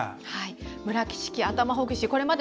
村木式頭ほぐし。